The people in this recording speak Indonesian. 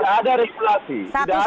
tidak ada tidak ada regulasi